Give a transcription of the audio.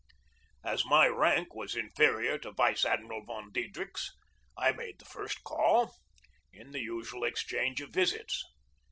As my rank was inferior to Vice Admiral von Diedrichs's, I made the first call, in the usual ex change of visits.